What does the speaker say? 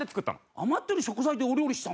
余ってる食材でお料理したんだ。